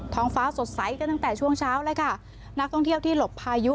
งฟ้าสดใสกันตั้งแต่ช่วงเช้าเลยค่ะนักท่องเที่ยวที่หลบพายุ